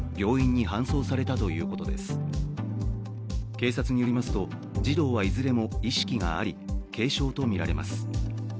警察によりますと、児童はいずれも意識があり軽症とみられます。